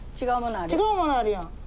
違うものあるやん。